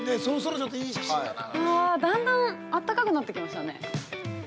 だんだんあったかくなってきましたね。